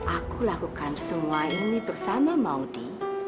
aku lakukan semua ini bersama maudie